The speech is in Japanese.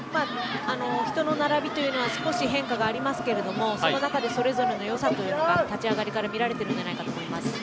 人の並びは少し変化がありますがその中で、それぞれの良さというのが立ち上がりからみられているんじゃないかと思います。